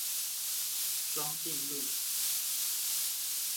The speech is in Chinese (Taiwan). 莊敬路